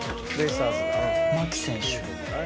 牧選手。